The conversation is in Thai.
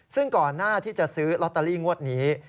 ซึ่งก่อนหน้าที่จะซื้อลอตเตอรี่งวดนี้